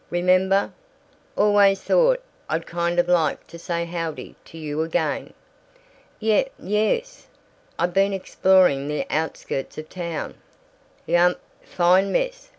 Remember? Always thought I'd kind of like to say howdy to you again." "Ye yes I've been exploring the outskirts of town." "Yump. Fine mess.